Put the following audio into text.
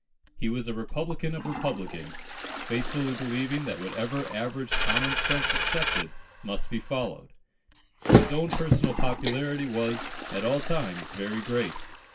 He was a Republican of Republicans, faithfully believing that whatever average common sense accepted must be followed. His own personal popularity was at all times very great.